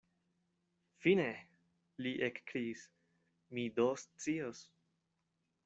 Fine, li ekkriis, mi do scios.